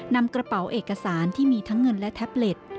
นำกระเป๋าเอกสารที่มีทั้งเงินและแท็บเล็ต